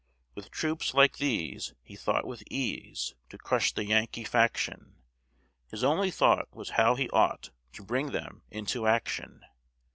With troops like these, he thought with ease To crush the Yankee faction: His only thought was how he ought To bring them into action.